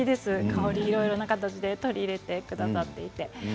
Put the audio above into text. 香りをいろんな形で取り入れてくださっていて。